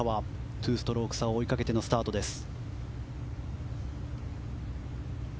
２ストローク差を追いかけてのスタートです。